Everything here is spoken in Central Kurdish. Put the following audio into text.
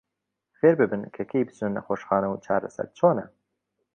فێرببن کە کەی بچنە نەخۆشخانە و چارەسەر چۆنە.